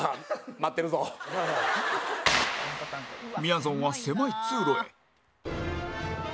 みやぞんは狭い通路へ